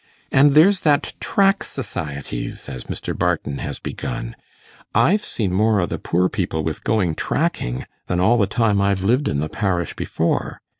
And there's that Track Society as Mr. Barton has begun I've seen more o' the poor people with going tracking, than all the time I've lived in the parish before.